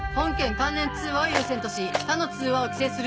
関連通話を優先とし他の通話を規制する。